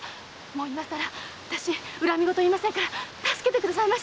今さら恨み言は言いませんから助けてください！